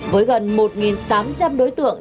với gần một tám trăm linh đối tượng